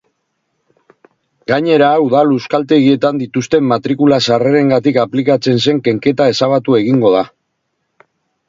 Gainera, udal euskaltegietan dituzten matrikula-sarrerengatik aplikatzen zen kenketa ezabatu egingo da.